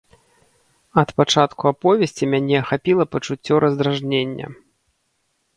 Ад пачатку аповесці мяне ахапіла пачуццё раздражнення.